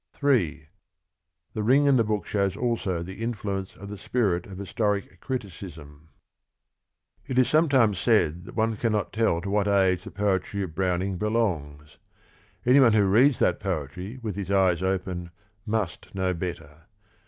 3. The Ring and the Book shows also the influ ence of the spirit of historic criticism. It is sometimes said that one cannot tell to what age the poetry of Browning belongs. Any one who reads that poetry with his eyes open must know better.